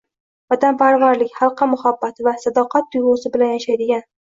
vatanparvarlik, xalqqa muhabbat va sadoqat tuyg‘usi bilan yashaydigan